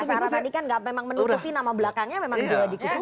kayak bahasa arab tadi kan gak memang menutupi nama belakangnya memang juga dikisung